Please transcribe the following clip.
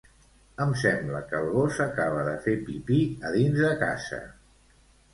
Em sembla que el gos acaba de fer pipí a dins de casa.